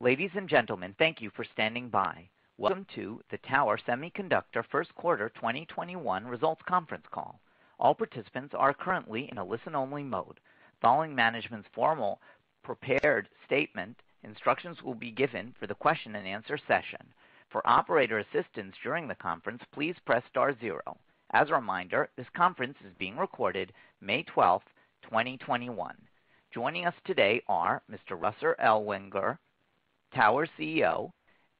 Ladies and gentlemen, thank you for standing by. Welcome to the Tower Semiconductor first quarter 2021 results conference call. All participants are currently in a listen-only mode. Following management's formal prepared statement, instructions will be given for the question-and-answer session. For operator assistance during the conference, please press star zero. As a reminder, this conference is being recorded May 12th, 2021. Joining us today are Mr. Russell Ellwanger, Tower CEO,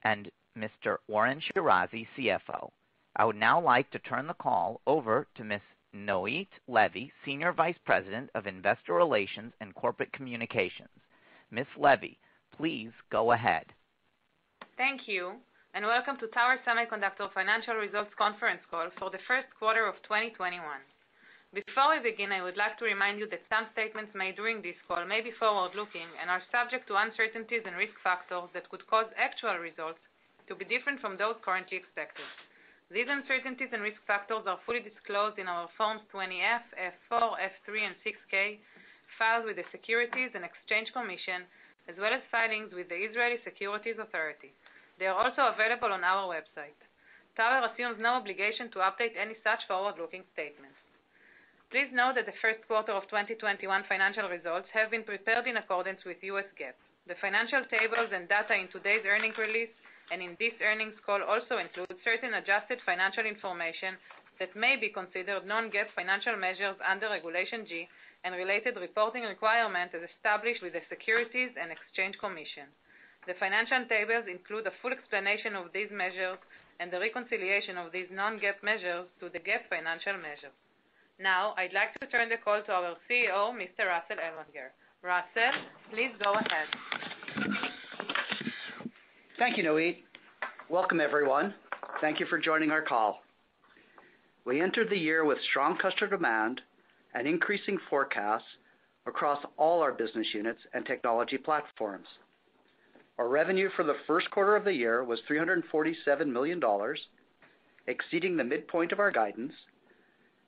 and Mr. Oren Shirazi, CFO. I would now like to turn the call over to Ms. Noit Levy, Senior Vice President of Investor Relations and Corporate Communications. Ms. Levy, please go ahead. Thank you, and welcome to Tower Semiconductor Financial Results Conference call for the first quarter of 2021. Before we begin, I would like to remind you that some statements made during this call may be forward-looking and are subject to uncertainties and risk factors that could cause actual results to be different from those currently expected. These uncertainties and risk factors are fully disclosed in our Forms 20-F, F-4, F-3 and 6-K filed with the Securities and Exchange Commission, as well as filings with the Israel Securities Authority. They are also available on our website. Tower assumes no obligation to update any such forward-looking statements. Please note that the first quarter of 2021 financial results have been prepared in accordance with U.S. GAAP. The financial tables and data in today's earnings release and in this earnings call also include certain adjusted financial information that may be considered non-GAAP financial measures under Regulation G and related reporting requirements as established with the Securities and Exchange Commission. The financial tables include a full explanation of these measures and the reconciliation of these non-GAAP measures to the GAAP financial measures. Now, I'd like to turn the call to our CEO, Mr. Russell Ellwanger. Russell, please go ahead. Thank you, Noit. Welcome everyone. Thank you for joining our call. We entered the year with strong customer demand and increasing forecasts across all our business units and technology platforms. Our revenue for the first quarter of the year was $347 million, exceeding the midpoint of our guidance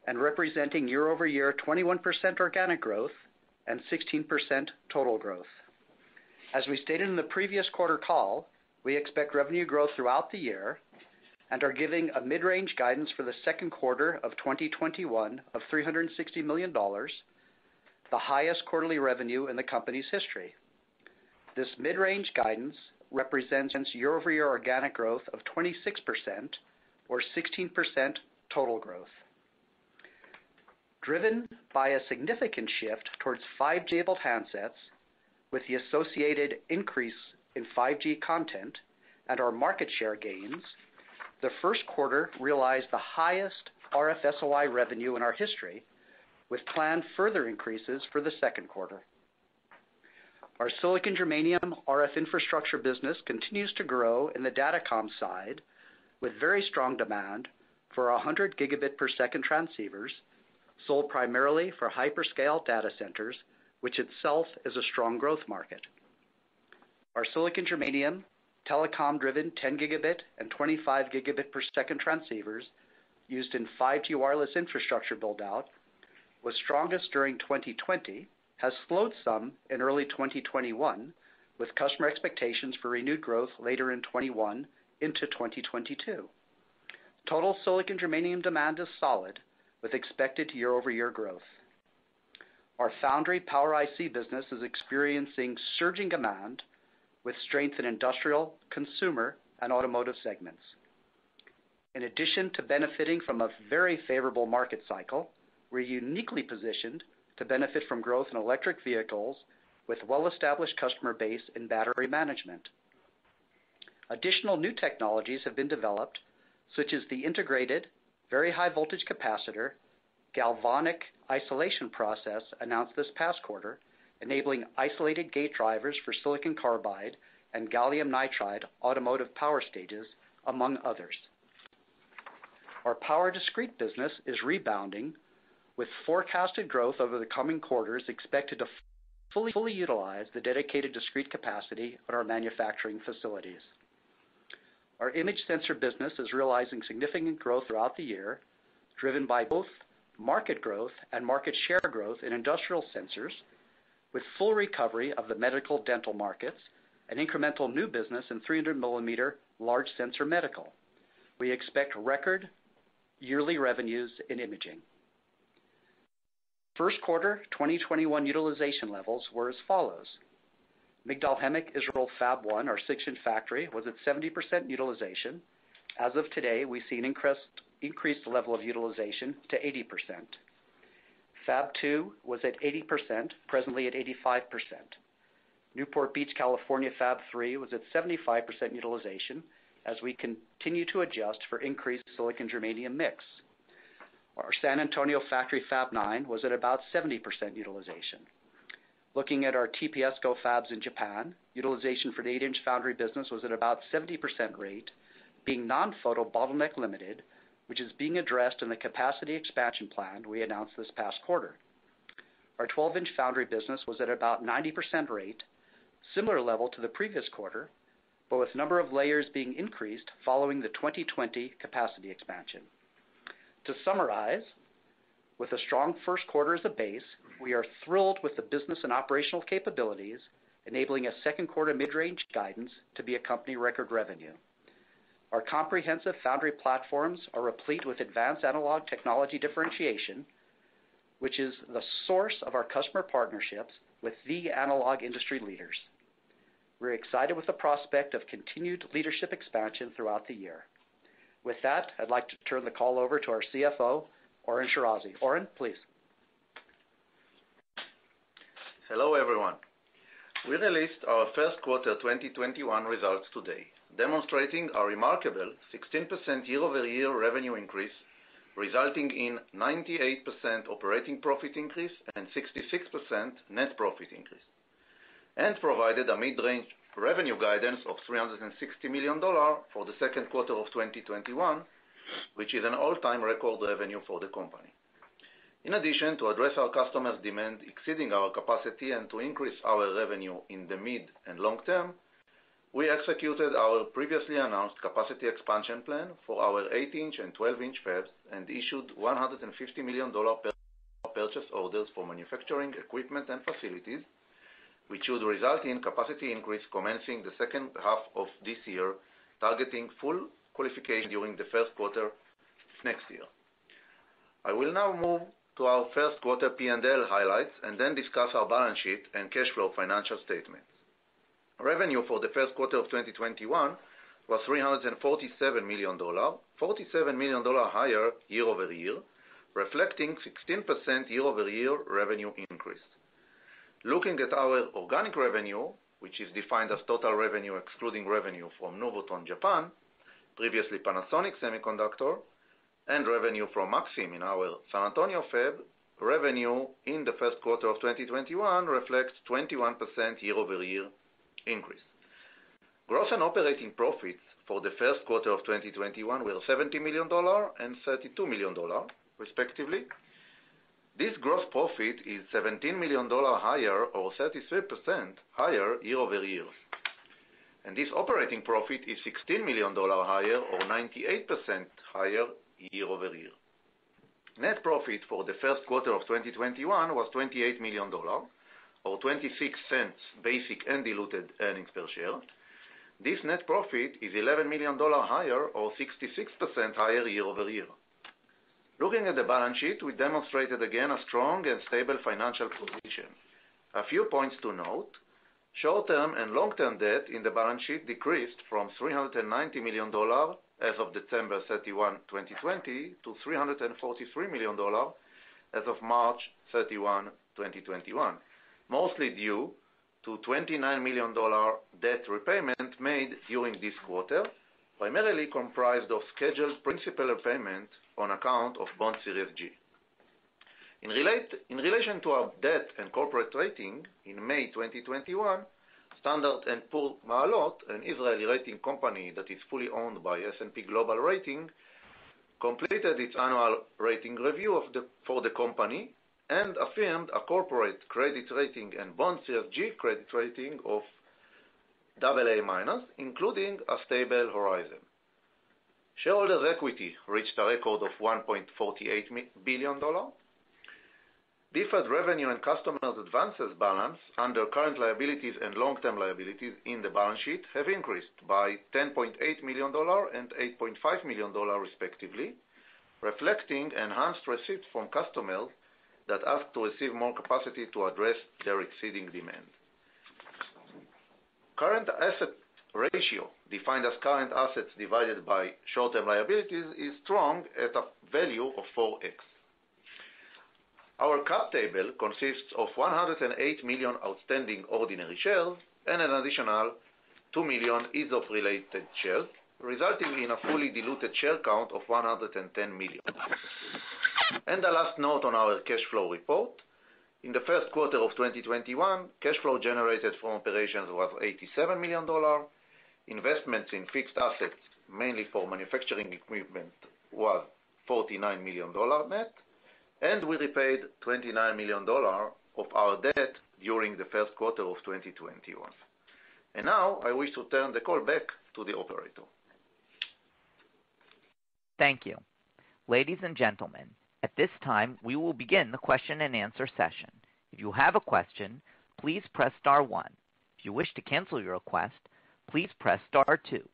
and representing year-over-year 21% organic growth and 16% total growth. As we stated in the previous quarter call, we expect revenue growth throughout the year and are giving a mid-range guidance for the second quarter of 2021 of $360 million, the highest quarterly revenue in the company's history. This mid-range guidance represents year-over-year organic growth of 26% or 16% total growth. Driven by a significant shift towards 5G-enabled handsets with the associated increase in 5G content and our market share gains, the first quarter realized the highest RF-SOI revenue in our history, with planned further increases for the second quarter. Our silicon germanium RF infrastructure business continues to grow in the datacom side with very strong demand for our 100 gigabit per second transceivers, sold primarily for hyperscale data centers, which itself is a strong growth market. Our silicon germanium telecom-driven 10 gigabit and 25 gigabit per second transceivers used in 5G wireless infrastructure build-out was strongest during 2020, has slowed some in early 2021, with customer expectations for renewed growth later in 2021 into 2022. Total silicon germanium demand is solid with expected year-over-year growth. Our foundry power IC business is experiencing surging demand with strength in industrial, consumer, and automotive segments. In addition to benefiting from a very favorable market cycle, we're uniquely positioned to benefit from growth in electric vehicles with well-established customer base in battery management. Additional new technologies have been developed, such as the integrated very high voltage capacitor galvanic isolation process announced this past quarter, enabling isolated gate drivers for silicon carbide and gallium nitride automotive power stages, among others. Our power discrete business is rebounding with forecasted growth over the coming quarters expected to fully utilize the dedicated discrete capacity at our manufacturing facilities. Our image sensor business is realizing significant growth throughout the year, driven by both market growth and market share growth in industrial sensors with full recovery of the medical dental markets, an incremental new business in 300 millimeter large sensor medical. We expect record yearly revenues in imaging. First quarter 2021 utilization levels were as follows. Migdal HaEmek, Israel Fab 1, our six-inch factory, was at 70% utilization. As of today, we see an increased level of utilization to 80%. Fab 2 was at 80%, presently at 85%. Newport Beach, California Fab 3 was at 75% utilization as we continue to adjust for increased silicon germanium mix. Our San Antonio factory, Fab 9, was at about 70% utilization. Looking at our TPSCo fabs in Japan, utilization for the eight-inch foundry business was at about 70% rate, being non-photo bottleneck limited, which is being addressed in the capacity expansion plan we announced this past quarter. Our 12-inch foundry business was at about 90% rate, similar level to the previous quarter, but with number of layers being increased following the 2020 capacity expansion. To summarize, with a strong first quarter as a base, we are thrilled with the business and operational capabilities, enabling a second quarter mid-range guidance to be a company record revenue. Our comprehensive foundry platforms are replete with advanced analog technology differentiation, which is the source of our customer partnerships with the analog industry leaders. We're excited with the prospect of continued leadership expansion throughout the year. With that, I'd like to turn the call over to our CFO, Oren Shirazi. Oren, please. Hello, everyone. We released our first quarter 2021 results today, demonstrating a remarkable 16% year-over-year revenue increase, resulting in 98% operating profit increase and 66% net profit increase, and provided a mid-range revenue guidance of $360 million for the second quarter of 2021, which is an all-time record revenue for the company. In addition, to address our customers' demand exceeding our capacity and to increase our revenue in the mid and long term, we executed our previously announced capacity expansion plan for our eight-inch and 12-inch fabs and issued $150 million purchase orders for manufacturing equipment and facilities, which should result in capacity increase commencing the second half of this year, targeting full qualification during the first quarter next year. I will now move to our first quarter P&L highlights and then discuss our balance sheet and cash flow financial statements. Revenue for the first quarter of 2021 was $347 million, $47 million higher year-over-year, reflecting 16% year-over-year revenue increase. Looking at our organic revenue, which is defined as total revenue excluding revenue from Nuvoton Japan, previously Panasonic Semiconductor, and revenue from Maxim in our San Antonio fab, revenue in the first quarter of 2021 reflects 21% year-over-year increase. Gross and operating profits for the first quarter of 2021 were $70 million and $32 million, respectively. This gross profit is $17 million higher or 33% higher year-over-year. This operating profit is $16 million higher or 98% higher year-over-year. Net profit for the first quarter of 2021 was $28 million or $0.26 basic and diluted earnings per share. This net profit is $11 million higher or 66% higher year-over-year. Looking at the balance sheet, we demonstrated again a strong and stable financial position. A few points to note. Short-term and long-term debt in the balance sheet decreased from $390 million as of December 31, 2020, to $343 million as of March 31, 2021, mostly due to $29 million debt repayment made during this quarter, primarily comprised of scheduled principal repayment on account of Bond Series G. In relation to our debt and corporate rating in May 2021, Standard & Poor's Maalot, an Israeli rating company that is fully owned by S&P Global Ratings, completed its annual rating review for the company and affirmed a corporate credit rating and Bond Series G credit rating of AA-, including a stable horizon. Shareholders' equity reached a record of $1.48 billion. Deferred revenue and customers' advances balance under current liabilities and long-term liabilities in the balance sheet have increased by $10.8 million and $8.5 million, respectively, reflecting enhanced receipts from customers that ask to receive more capacity to address their exceeding demand. Current asset ratio, defined as current assets divided by short-term liabilities, is strong at a value of 4x. Our cap table consists of 108 million outstanding ordinary shares and an additional two million ESOP-related shares, resulting in a fully diluted share count of 110 million. The last note on our cash flow report. In the first quarter of 2021, cash flow generated from operations was $87 million. Investments in fixed assets, mainly for manufacturing equipment, was $49 million net. We repaid $29 million of our debt during the first quarter of 2021. Now, I wish to turn the call back to the operator. Thank you. Ladies and gentlemen, at this time, we will begin the question-and-answer session. If you have a question, please press star one. If you wish to cancel your request, please press star two.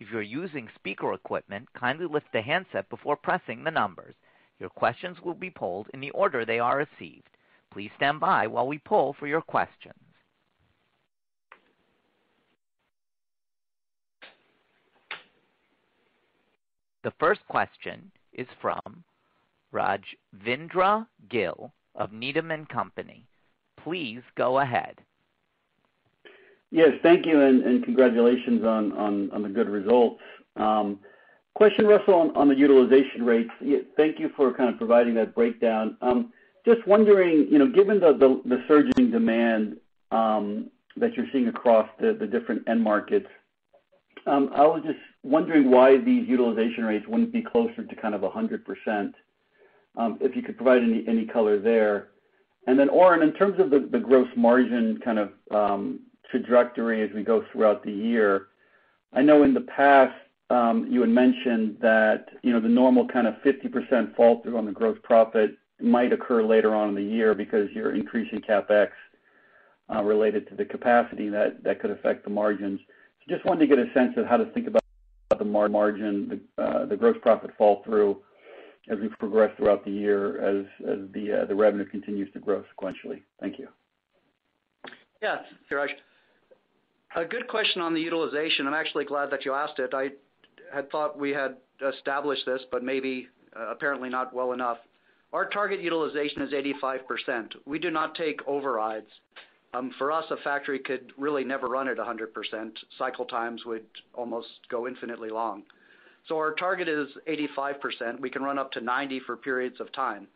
If you're using speaker equipment, kindly lift the handset before pressing the numbers. Your questions will be polled in the order they are received. Please stand by while we poll for your questions. The first question is from Rajvindra Gill of Needham & Company. Please go ahead. Yes. Thank you, and congratulations on the good results. Question, Russell, on the utilization rates. Thank you for kind of providing that breakdown. Just wondering, given the surging demand that you're seeing across the different end markets, I was just wondering why these utilization rates wouldn't be closer to kind of 100%. If you could provide any color there. Oren, in terms of the gross margin kind of trajectory as we go throughout the year, I know in the past, you had mentioned that the normal kind of 50% fall-through on the gross profit might occur later on in the year because you're increasing CapEx related to the capacity that could affect the margins. Just wanted to get a sense of how to think about the margin, the gross profit fall-through as we progress throughout the year, as the revenue continues to grow sequentially. Thank you. Yes, Raj. A good question on the utilization. I'm actually glad that you asked it. I had thought we had established this, but maybe, apparently not well enough. Our target utilization is 85%. We do not take overrides. For us, a factory could really never run at 100%. Cycle times would almost go infinitely long. Our target is 85%. We can run up to 90% for periods of time.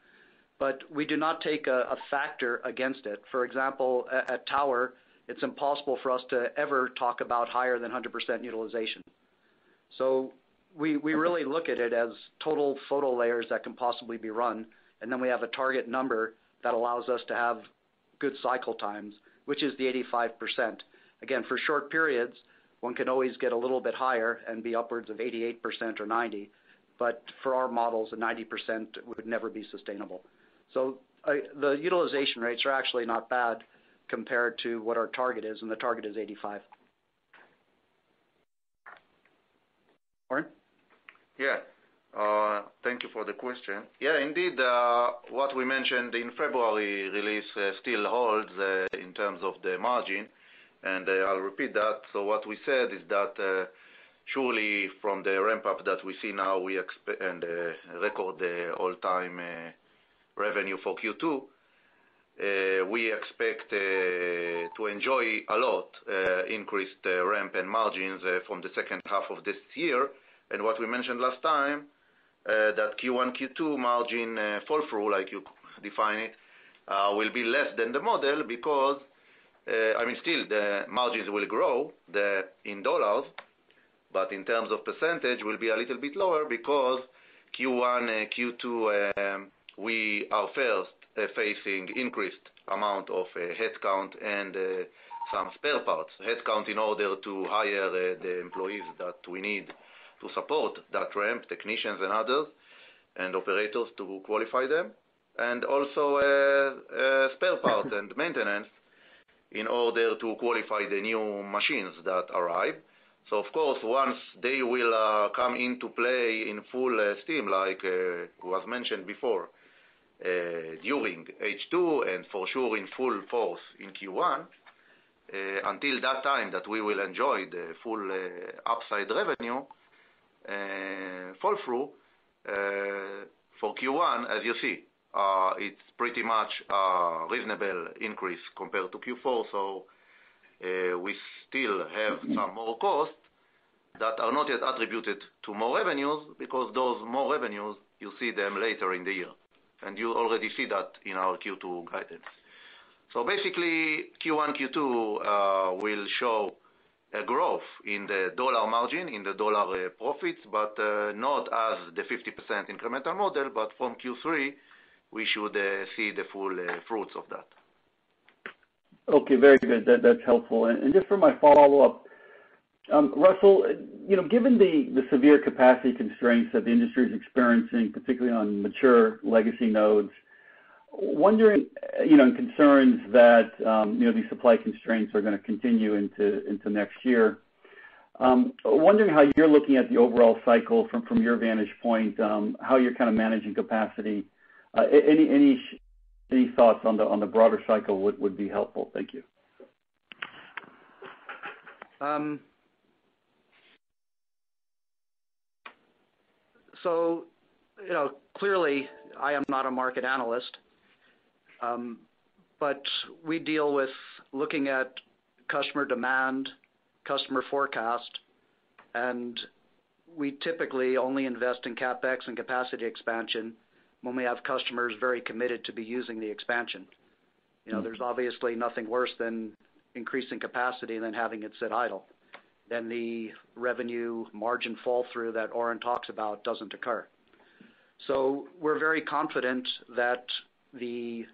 We do not take a factor against it. For example, at Tower, it's impossible for us to ever talk about higher than 100% utilization. We really look at it as total photo layers that can possibly be run, and then we have a target number that allows us to have good cycle times, which is the 85%. Again, for short periods, one can always get a little bit higher and be upwards of 88% or 90%, but for our models, a 90% would never be sustainable. The utilization rates are actually not bad compared to what our target is, and the target is 85%. Oren? Thank you for the question. Indeed, what we mentioned in February release still holds in terms of the margin. I'll repeat that. What we said is that truly from the ramp-up that we see now and record the all-time revenue for Q2, we expect to enjoy a lot increased ramp and margins from the second half of this year. What we mentioned last time, that Q1, Q2 margin fall-through, like you define it, will be less than the model because still, the margins will grow in dollars, but in terms of percentage, will be a little bit lower because Q1 and Q2, we are first facing increased amount of headcount and some spare parts. Headcount in order to hire the employees that we need to support that ramp, technicians and others, and operators to qualify them. Also spare parts and maintenance in order to qualify the new machines that arrive. Of course, once they will come into play in full steam, like was mentioned before, during H2, and for sure in full force in Q1. Until that time that we will enjoy the full upside revenue fall-through for Q1. As you see, it's pretty much a reasonable increase compared to Q4. We still have some more costs that are not yet attributed to more revenues because those more revenues, you'll see them later in the year. You already see that in our Q2 guidance. Basically, Q1, Q2 will show a growth in the dollar margin, in the dollar profits, but not as the 50% incremental model. From Q3, we should see the full fruits of that. Okay, very good. That's helpful. Just for my follow-up, Russell, given the severe capacity constraints that the industry is experiencing, particularly on mature legacy nodes, concerns that these supply constraints are going to continue into next year. Wondering how you're looking at the overall cycle from your vantage point, how you're kind of managing capacity. Any thoughts on the broader cycle would be helpful. Thank you. Clearly, I am not a market analyst. We deal with looking at customer demand, customer forecast, and we typically only invest in CapEx and capacity expansion when we have customers very committed to be using the expansion. There's obviously nothing worse than increasing capacity than having it sit idle. The revenue margin fall-through that Oren talks about doesn't occur. We're very confident that the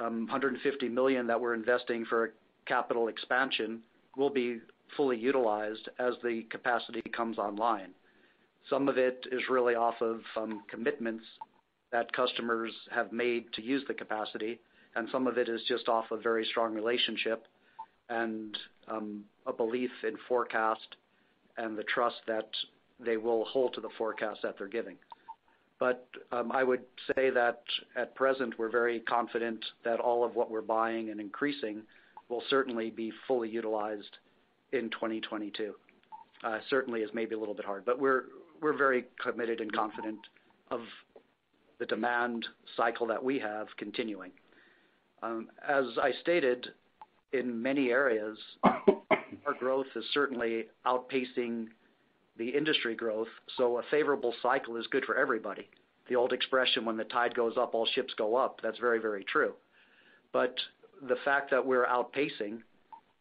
$150 million that we're investing for capital expansion will be fully utilized as the capacity comes online. Some of it is really off of commitments that customers have made to use the capacity, and some of it is just off a very strong relationship, and a belief in forecast, and the trust that they will hold to the forecast that they're giving. I would say that at present, we're very confident that all of what we're buying and increasing will certainly be fully utilized in 2022. Certainly is maybe a little bit hard. We're very committed and confident of the demand cycle that we have continuing. As I stated, in many areas, our growth is certainly outpacing the industry growth, so a favorable cycle is good for everybody. The old expression, when the tide goes up, all ships go up, that's very true. The fact that we're outpacing,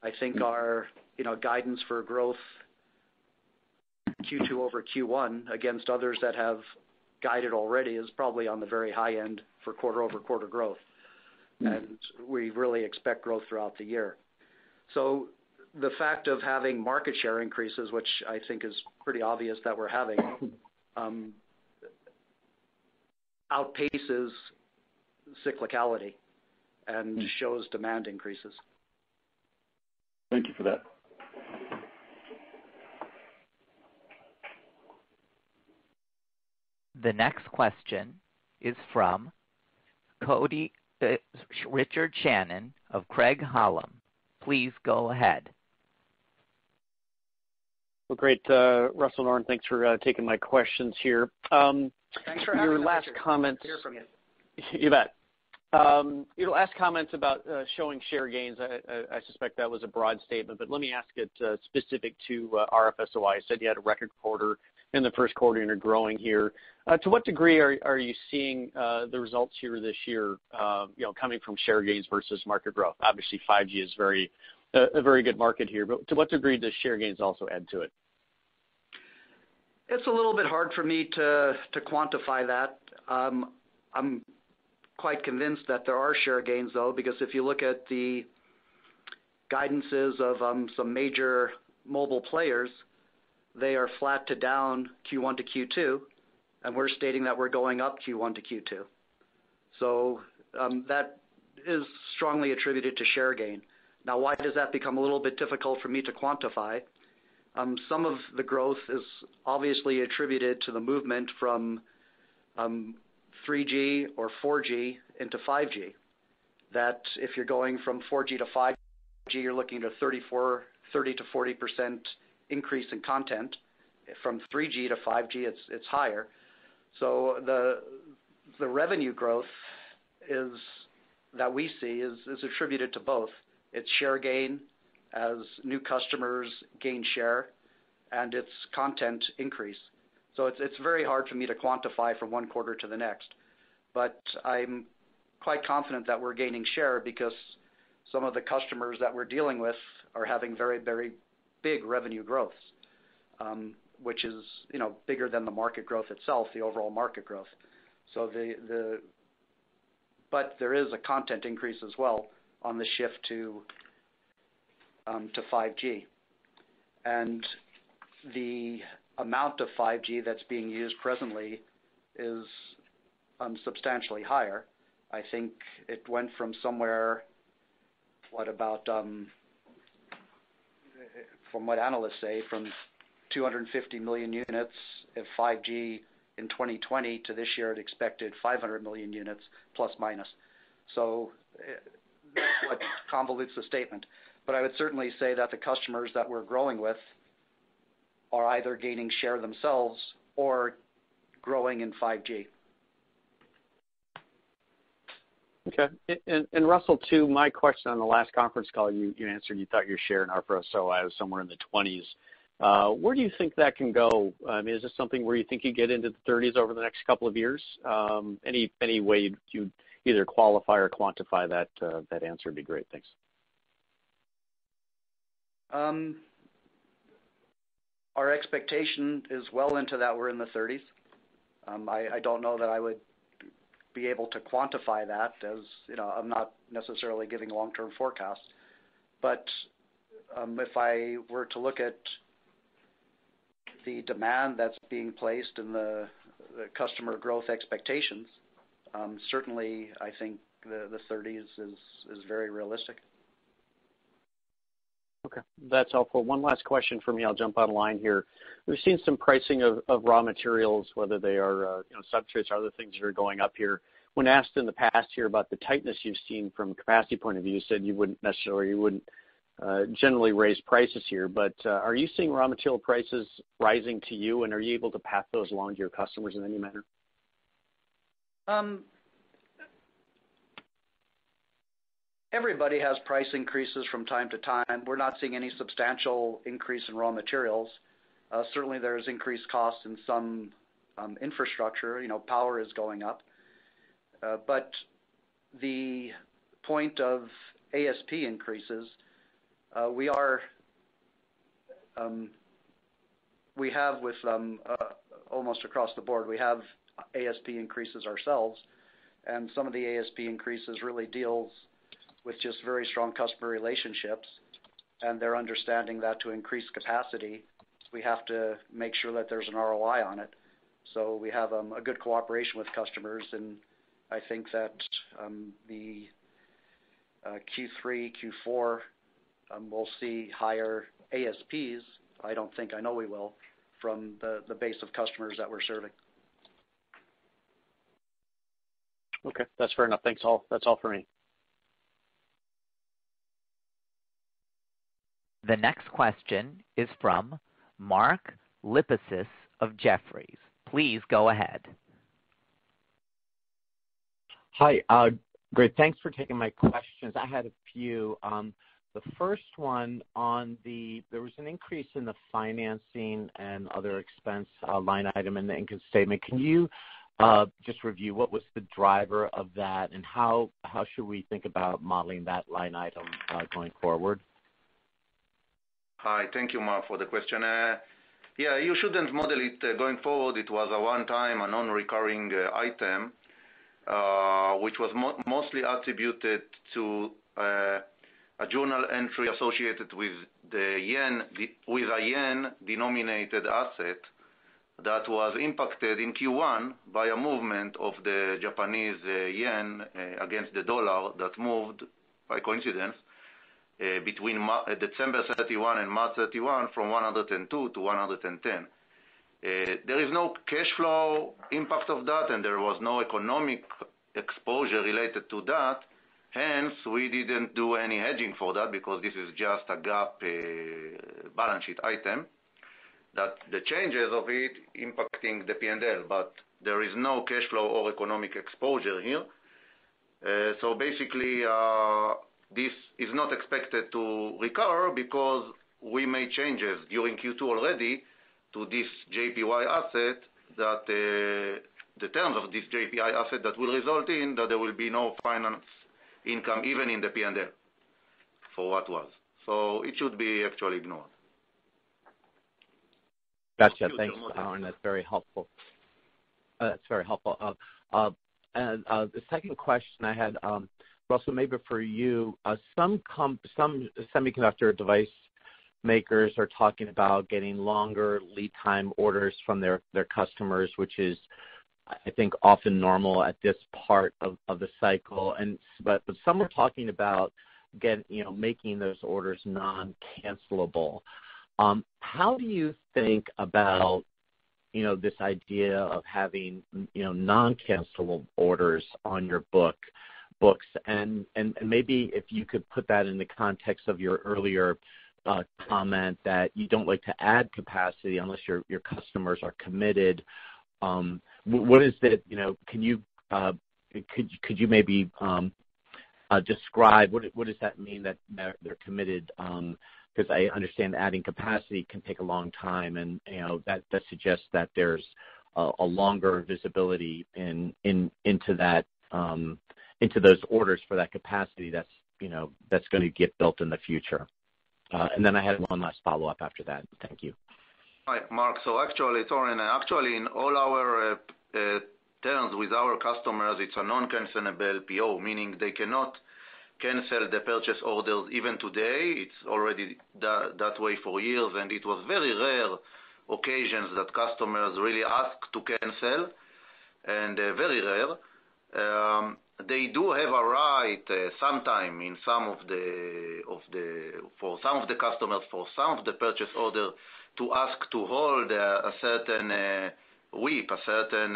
I think our guidance for growth Q2 over Q1 against others that have guided already is probably on the very high end for quarter-over-quarter growth. We really expect growth throughout the year. The fact of having market share increases, which I think is pretty obvious that we're having, outpaces cyclicality and shows demand increases. Thank you for that. The next question is from Richard Shannon of Craig-Hallum. Please go ahead. Well, great. Russell, thanks for taking my questions here. Thanks for having me, Richard. Good to hear from you. You bet. Last comments about showing share gains, I suspect that was a broad statement, but let me ask it specific to RF-SOI. You said you had a record quarter in the first quarter and you're growing here. To what degree are you seeing the results here this year coming from share gains versus market growth? Obviously, 5G is a very good market here, but to what degree does share gains also add to it? It's a little bit hard for me to quantify that. I'm quite convinced that there are share gains, though, because if you look at the guidances of some major mobile players, they are flat to down Q1 to Q2, and we're stating that we're going up Q1 to Q2. That is strongly attributed to share gain. Now, why does that become a little bit difficult for me to quantify? Some of the growth is obviously attributed to the movement from 3G or 4G into 5G. That if you're going from 4G to 5G, you're looking to 30%-40% increase in content. From 3G to 5G, it's higher. The revenue growth that we see is attributed to both. It's share gain as new customers gain share and it's content increase. It's very hard for me to quantify from one quarter to the next. I'm quite confident that we're gaining share because some of the customers that we're dealing with are having very big revenue growths, which is bigger than the market growth itself, the overall market growth. There is a content increase as well on the shift to 5G. The amount of 5G that's being used presently is substantially higher. I think it went from somewhere, from what analysts say, from 250 million units of 5G in 2020 to this year at expected 500 million units, ±. That's what convolutes the statement. I would certainly say that the customers that we're growing with are either gaining share themselves or growing in 5G. Okay. Russell, too, my question on the last conference call you answered, you thought your share in RF-SOI was somewhere in the 20s. Where do you think that can go? I mean, is this something where you think you get into the 30s over the next couple of years? Any way you'd either qualify or quantify that answer would be great. Thanks. Our expectation is well into that we're in the 30s. I don't know that I would be able to quantify that, as I'm not necessarily giving a long-term forecast. If I were to look at the demand that's being placed and the customer growth expectations, certainly, I think the 30s is very realistic. Okay. That's all. One last question for me. I'll jump online here. We've seen some pricing of raw materials, whether they are substrates or other things that are going up here. When asked in the past here about the tightness you've seen from a capacity point of view, you said you wouldn't generally raise prices here. Are you seeing raw material prices rising to you, and are you able to pass those along to your customers in any manner? Everybody has price increases from time to time. We're not seeing any substantial increase in raw materials. Certainly, there's increased costs in some infrastructure. Power is going up. The point of ASP increases, almost across the board, we have ASP increases ourselves, and some of the ASP increases really deals with just very strong customer relationships and their understanding that to increase capacity, we have to make sure that there's an ROI on it. We have a good cooperation with customers, and I think that the Q3, Q4, we'll see higher ASPs, I don't think, I know we will, from the base of customers that we're serving. Okay. That's fair enough. Thanks. That's all for me. The next question is from Mark Lipacis of Jefferies. Please go ahead. Hi. Great. Thanks for taking my questions. I had a few. The first one, there was an increase in the financing and other expense line item in the income statement. Can you just review what was the driver of that and how should we think about modeling that line item going forward? Hi. Thank you, Mark, for the question. Yeah, you shouldn't model it going forward. It was a one-time, a non-recurring item, which was mostly attributed to a journal entry associated with a yen-denominated asset that was impacted in Q1 by a movement of the Japanese yen against the dollar that moved, by coincidence, between December 31 and March 31, from 112 to 110. There is no cash flow impact of that, and there was no economic exposure related to that, hence, we didn't do any hedging for that because this is just a GAAP balance sheet item that the changes of it impacting the P&L, but there is no cash flow or economic exposure here. Basically, this is not expected to recur because we made changes during Q2 already to this JPY asset, the terms of this JPY asset that will result in that there will be no finance income even in the P&L for what was. It should be actually ignored. Got you. Thanks, Oren. That's very helpful. The second question I had, Russell, maybe for you. Some semiconductor device makers are talking about getting longer lead time orders from their customers, which is, I think, often normal at this part of the cycle. Some are talking about making those orders non-cancellable. How do you think about this idea of having non-cancellable orders on your books? Maybe if you could put that in the context of your earlier comment that you don't like to add capacity unless your customers are committed. Could you maybe describe what does that mean that they're committed? I understand adding capacity can take a long time, and that suggests that there's a longer visibility into those orders for that capacity that's going to get built in the future. Then I had one last follow-up after that. Thank you. Hi, Mark. Actually, it's Oren. Actually, in all our terms with our customers, it's a non-cancellable PO, meaning they cannot cancel the purchase orders even today. It's already that way for years, it was very rare occasions that customers really ask to cancel, very rare. They do have a right, sometime for some of the customers, for some of the purchase order, to ask to hold a certain WIP, a certain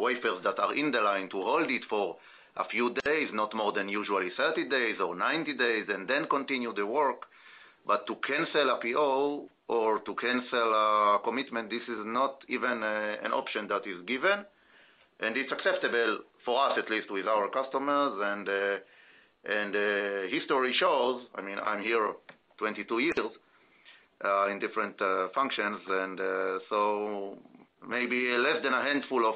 wafers that are in the line, to hold it for a few days, not more than usually 30 days or 90 days, then continue the work. To cancel a PO or to cancel a commitment, this is not even an option that is given, it's acceptable for us, at least with our customers. History shows, I'm here 22 years in different functions, maybe less than a handful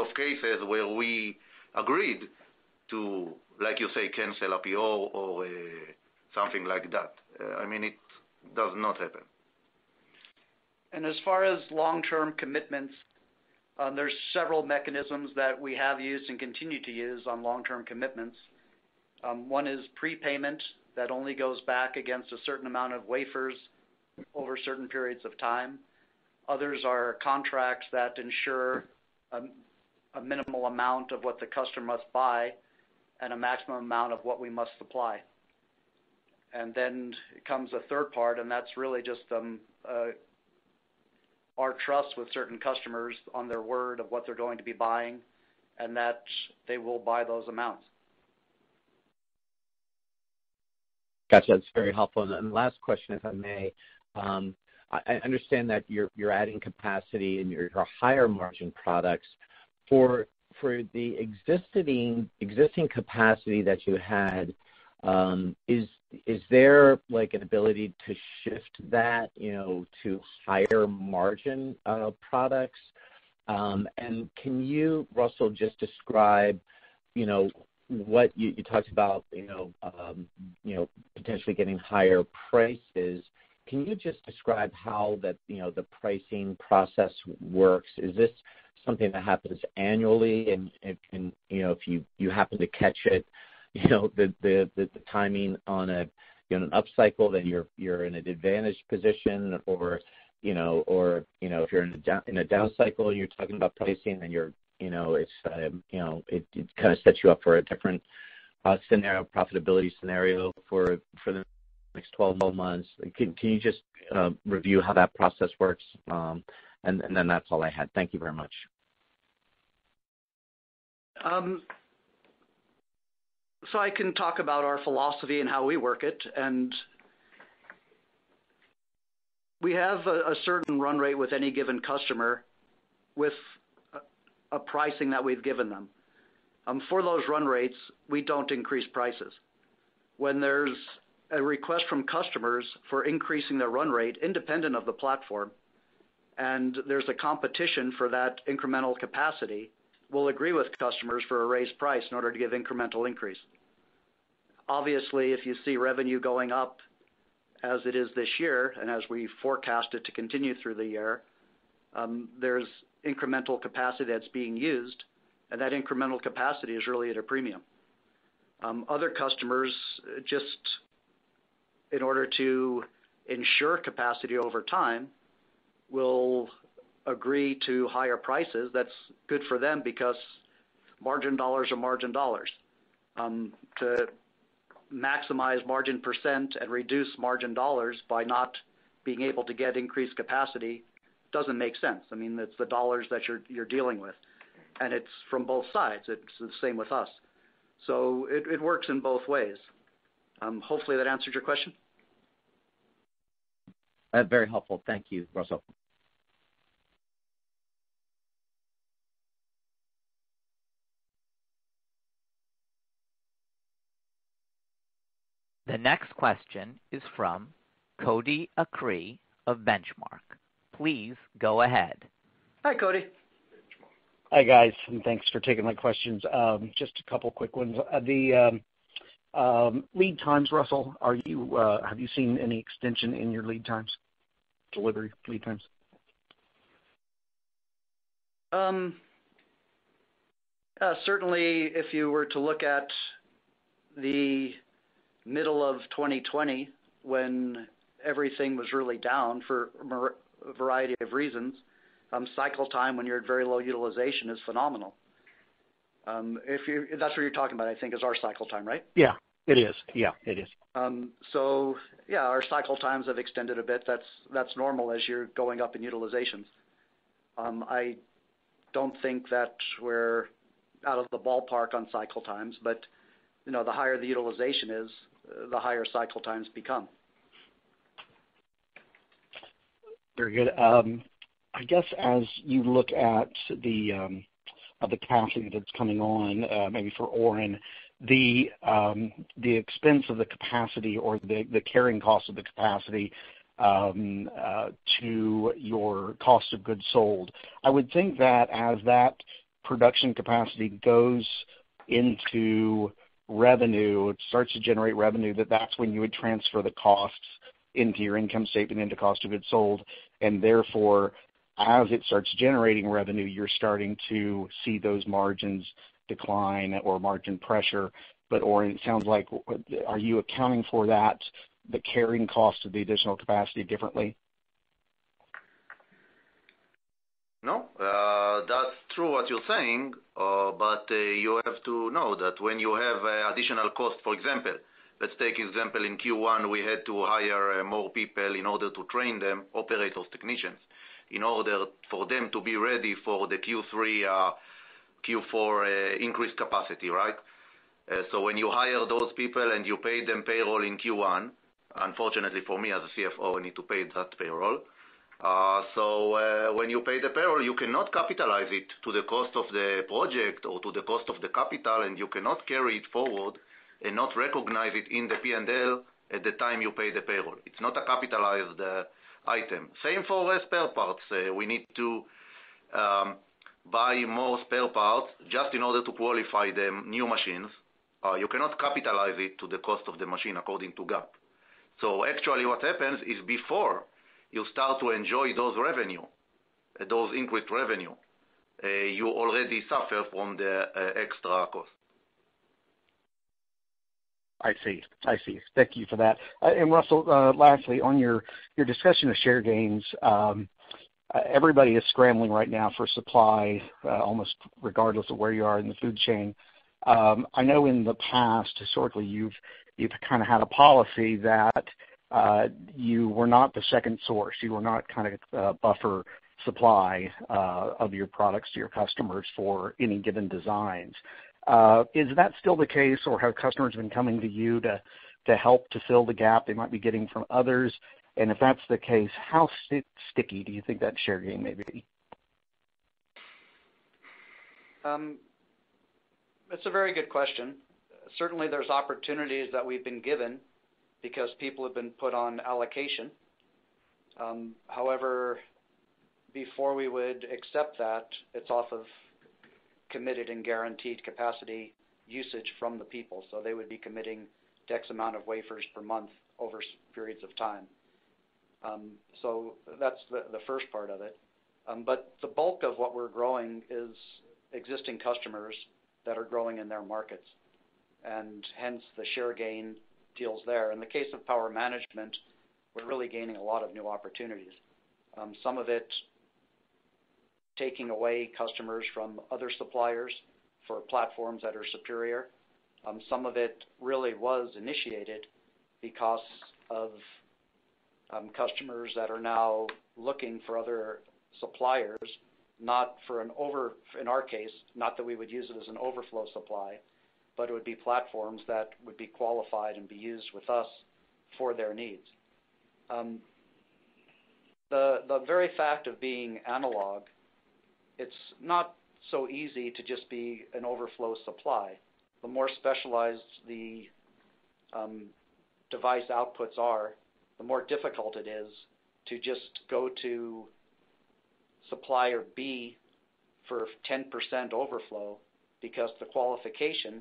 of cases where we agreed to, like you say, cancel a PO or something like that. It does not happen. As far as long-term commitments, there's several mechanisms that we have used and continue to use on long-term commitments. One is prepayment that only goes back against a certain amount of wafers over certain periods of time. Others are contracts that ensure a minimal amount of what the customer must buy and a maximum amount of what we must supply. Then comes a third part, and that's really just our trust with certain customers on their word of what they're going to be buying, and that they will buy those amounts. Got you. That's very helpful. Last question, if I may. I understand that you're adding capacity in your higher margin products. For the existing capacity that you had, is there an ability to shift that to higher margin products? Can you, Russell, you talked about potentially getting higher prices. Can you just describe how the pricing process works? Is this something that happens annually? If you happen to catch it, the timing on an upcycle, then you're in an advantaged position or if you're in a down cycle and you're talking about pricing, then it kind of sets you up for a different profitability scenario for the next 12 months. Can you just review how that process works? Then that's all I had. Thank you very much. I can talk about our philosophy and how we work it. We have a certain run rate with any given customer with a pricing that we've given them. For those run rates, we don't increase prices. When there's a request from customers for increasing their run rate independent of the platform, and there's a competition for that incremental capacity. We'll agree with customers for a raised price in order to give incremental increase. Obviously, if you see revenue going up as it is this year, and as we forecast it to continue through the year, there's incremental capacity that's being used, and that incremental capacity is really at a premium. Other customers, just in order to ensure capacity over time, will agree to higher prices. That's good for them because margin dollars are margin dollars. To maximize margin percent and reduce margin dollars by not being able to get increased capacity doesn't make sense. It's the dollars that you're dealing with, and it's from both sides. It's the same with us. It works in both ways. Hopefully that answers your question. That's very helpful. Thank you, Russell. The next question is from Cody Acree of Benchmark. Please go ahead. Hi, Cody. Hi, guys, and thanks for taking my questions. Just a couple quick ones. The lead times, Russell, have you seen any extension in your lead times? Delivery lead times? Certainly, if you were to look at the middle of 2020, when everything was really down for a variety of reasons, cycle time when you're at very low utilization is phenomenal. If that's what you're talking about, I think, is our cycle time, right? Yeah. It is. Yeah. It is. Yeah, our cycle times have extended a bit. That's normal as you're going up in utilizations. I don't think that we're out of the ballpark on cycle times, but the higher the utilization is, the higher cycle times become. Very good. I guess as you look at the capacity that's coming on, maybe for Oren, the expense of the capacity or the carrying cost of the capacity, to your cost of goods sold, I would think that as that production capacity goes into revenue, it starts to generate revenue, that that's when you would transfer the costs into your income statement into cost of goods sold, and therefore, as it starts generating revenue, you're starting to see those margins decline or margin pressure. Oren, it sounds like, are you accounting for that, the carrying cost of the additional capacity differently? No. That's true what you're saying, you have to know that when you have additional cost, for example, let's take example, in Q1, we had to hire more people in order to train them, operators, technicians, in order for them to be ready for the Q3, Q4 increased capacity, right? When you hire those people and you pay them payroll in Q1, unfortunately for me as a CFO, I need to pay that payroll. When you pay the payroll, you cannot capitalize it to the cost of the project or to the cost of the capital, and you cannot carry it forward and not recognize it in the P&L at the time you pay the payroll. It's not a capitalized item. Same for spare parts. We need to buy more spare parts just in order to qualify the new machines. You cannot capitalize it to the cost of the machine according to GAAP. Actually what happens is before you start to enjoy those revenue, those increased revenue, you already suffer from the extra cost. I see. Thank you for that. Russell, lastly, on your discussion of share gains, everybody is scrambling right now for supply, almost regardless of where you are in the food chain. I know in the past, historically, you've kind of had a policy that you were not the second source. You were not kind of buffer supply of your products to your customers for any given designs. Is that still the case, or have customers been coming to you to help to fill the gap they might be getting from others? If that's the case, how sticky do you think that share gain may be? That's a very good question. Certainly, there's opportunities that we've been given because people have been put on allocation. However, before we would accept that, it's off of committed and guaranteed capacity usage from the people. They would be committing X amount of wafers per month over periods of time. That's the first part of it. The bulk of what we're growing is existing customers that are growing in their markets, and hence the share gain deals there. In the case of power management, we're really gaining a lot of new opportunities. Some of it taking away customers from other suppliers for platforms that are superior. Some of it really was initiated because of customers that are now looking for other suppliers, in our case, not that we would use it as an overflow supply, but it would be platforms that would be qualified and be used with us for their needs. The very fact of being analog. It's not so easy to just be an overflow supply. The more specialized the device outputs are, the more difficult it is to just go to supplier B for 10% overflow because the qualification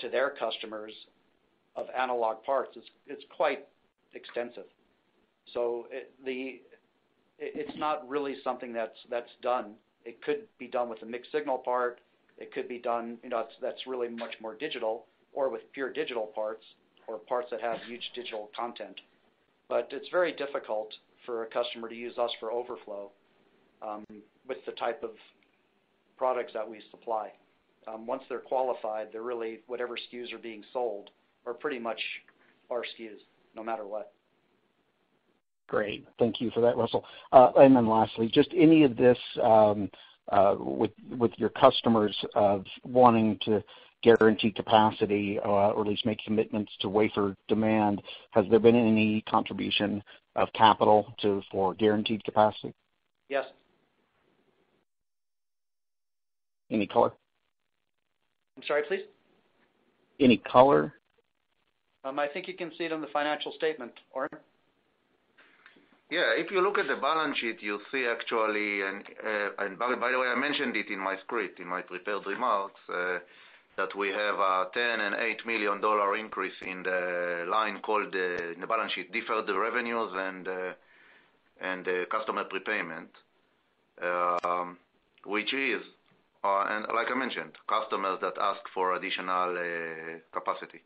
to their customers of analog parts, it's quite extensive. It's not really something that's done. It could be done with a mixed signal part, it could be done, that's really much more digital or with pure digital parts or parts that have huge digital content. It's very difficult for a customer to use us for overflow, with the type of products that we supply. Once they're qualified, whatever SKUs are being sold are pretty much our SKUs, no matter what. Great. Thank you for that, Russell. Lastly, just any of this, with your customers of wanting to guarantee capacity or at least make commitments to wafer demand, has there been any contribution of capital for guaranteed capacity? Yes. Any color? I'm sorry, please? Any color? I think you can see it on the financial statement. Oren? Yeah. If you look at the balance sheet, you'll see actually, and by the way, I mentioned it in my script, in my prepared remarks, that we have a $10 and $8 million increase in the line called, the balance sheet deferred revenues and the customer prepayment, which is, like I mentioned, customers that ask for additional capacity.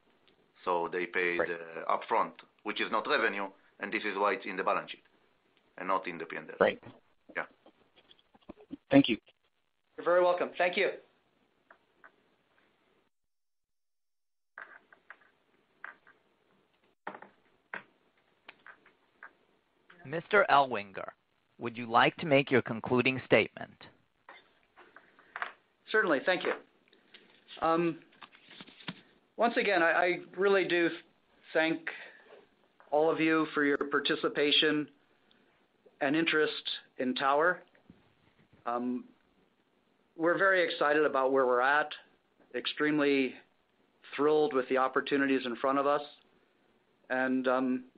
Right The upfront, which is not revenue, and this is why it's in the balance sheet and not in the P&L. Right. Yeah. Thank you. You're very welcome. Thank you. Mr. Ellwanger, would you like to make your concluding statement? Certainly. Thank you. Once again, I really do thank all of you for your participation and interest in Tower. We're very excited about where we're at, extremely thrilled with the opportunities in front of us, and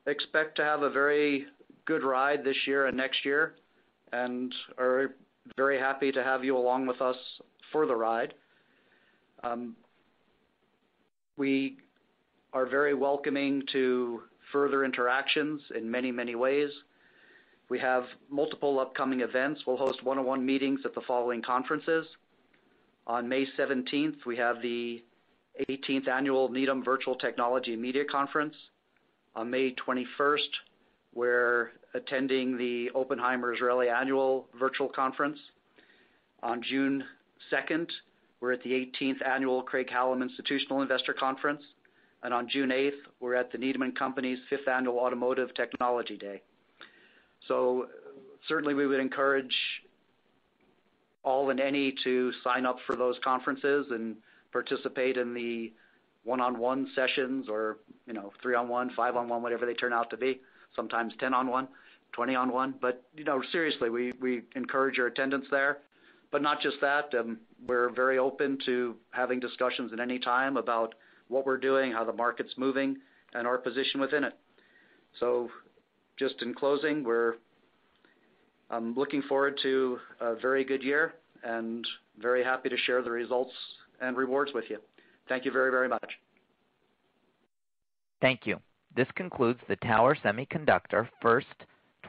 expect to have a very good ride this year and next year, and are very happy to have you along with us for the ride. We are very welcoming to further interactions in many ways. We have multiple upcoming events. We'll host one-on-one meetings at the following conferences. On May 17th, we have the 18th Annual Needham Virtual Technology Media Conference. On May 21st, we're attending the Oppenheimer's Israeli Annual Virtual Conference. On June 2nd, we're at the 18th Annual Craig-Hallum Institutional Investor Conference. On June 8th, we're at the Needham & Company's Fifth Annual Automotive Technology Day. Certainly we would encourage all and any to sign up for those conferences and participate in the one-on-one sessions or three-on-one, five-on-one, whatever they turn out to be. Sometimes 10-on-one, 20-on-one. Seriously, we encourage your attendance there. Not just that, we're very open to having discussions at any time about what we're doing, how the market's moving, and our position within it. Just in closing, I'm looking forward to a very good year and very happy to share the results and rewards with you. Thank you very much. Thank you. This concludes the Tower Semiconductor First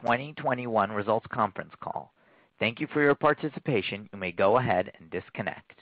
2021 results conference call. Thank you for your participation. You may go ahead and disconnect.